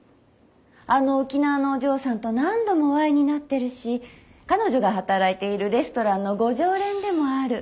あの沖縄のお嬢さんと何度もお会いになってるし彼女が働いているレストランのご常連でもある。